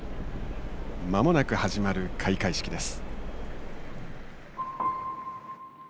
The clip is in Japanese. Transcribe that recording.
まもなく始まる開会式です。